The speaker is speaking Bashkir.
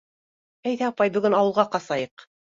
— Әйҙә, апай, бөгөн ауылға ҡасайыҡ.